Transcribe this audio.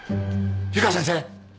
湯川先生！